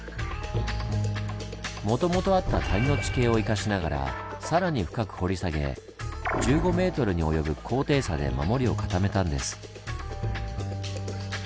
もともとあった谷の地形を生かしながら更に深く掘り下げ１５メートルに及ぶ高低差で守りを固めたんです。